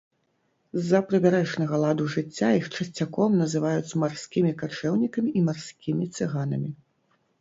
З-за прыбярэжнага ладу жыцця іх часцяком называюць марскімі качэўнікамі і марскімі цыганамі.